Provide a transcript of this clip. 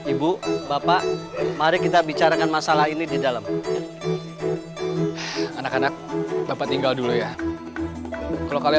ibu bapak mari kita bicarakan masalah ini di dalam anak anak bapak tinggal dulu ya kalau kalian